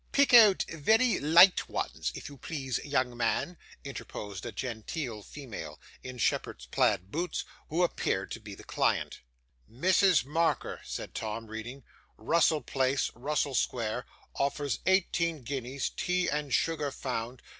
'Pick out very light ones, if you please, young man,' interposed a genteel female, in shepherd's plaid boots, who appeared to be the client. '"Mrs. Marker,"' said Tom, reading, '"Russell Place, Russell Square; offers eighteen guineas; tea and sugar found.